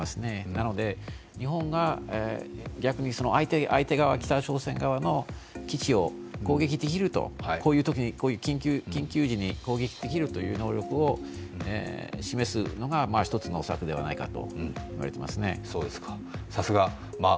なので、日本が逆に相手側、北朝鮮側の基地を攻撃できる、緊急時に攻撃できる能力を示すのが一つの策ではないかといわれていますね。